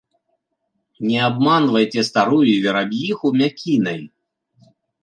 Не абманвайце старую вераб'іху мякінай.